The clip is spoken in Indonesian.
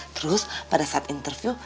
terus pada saat interview